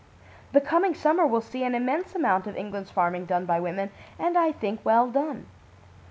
"The coming summer will see an immense amount of England's farming done by women and, I think, well done.